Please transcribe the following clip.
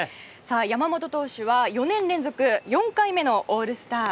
山本投手は４年連続４回目のオールスター。